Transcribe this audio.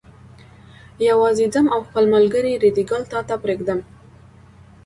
یوازې ځم او خپل ملګری ریډي ګل تا ته پرېږدم.